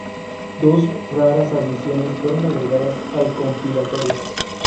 Dos raras adiciones fueron agregadas al compilatorio.